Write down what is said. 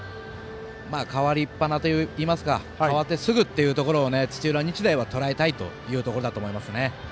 代わりっぱなといいますが変わってすぐというところをとらえたいということだと思います。